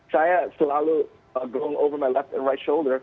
saya selalu bergerak ke kaki kiri dan kiri